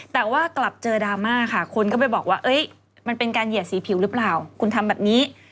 แต่ว่ากลับเจอดราม่าค่ะคนก็ไปบอกว่ามันเป็นการเหยียดสีผิวหรือเปล่าคุณทำแบบนี้